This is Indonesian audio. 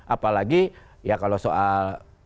apalagi ya kalau soal